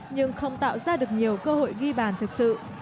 nhưng không tạo ra được nhiều cơ hội ghi bàn thực sự